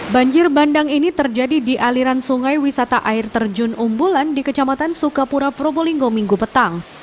banjir bandang ini terjadi di aliran sungai wisata air terjun umbulan di kecamatan sukapura probolinggo minggu petang